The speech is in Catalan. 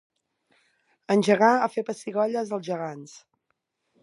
Engegar a fer pessigolles als gegants.